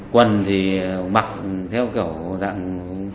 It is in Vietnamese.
quần thì mặc theo kiểu